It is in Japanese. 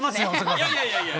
いやいやいやいや。